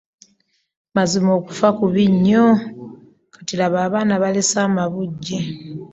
Mazima okufa kubi nnyo! Kati laba abaana b'alese amabujje!